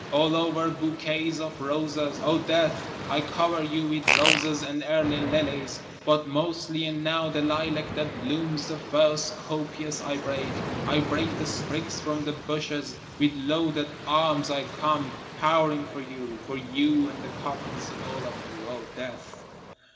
All over bouquets of roses, O death, I cover you with roses and early lilies, But mostly and now the lilac that blooms the first, Copious I break, I break the sprigs from the bushes, With loaded arms I come, pouring for you, For you and the coffins all of you, O death.)